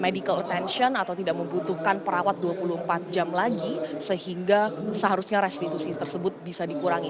medical attention atau tidak membutuhkan perawat dua puluh empat jam lagi sehingga seharusnya restitusi tersebut bisa dikurangi